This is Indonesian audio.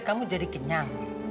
kamu jadi kenyang